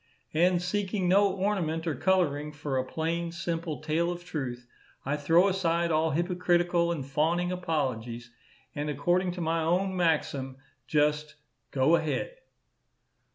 And seeking no ornament or colouring for a plain, simple tale of truth, I throw aside all hypocritical and fawning apologies, and, according to my own maxim, just "go ahead."